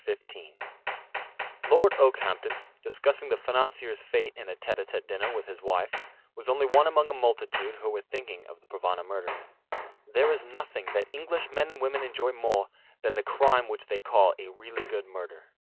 CHAPTER XV Lord Okehampton, discussing the financier's fate in a tête à tête dinner with his wife, was only one among a multitude who were thinking of the Provana murder. There is nothing that English men and women enjoy more than the crime which they call "a really good murder."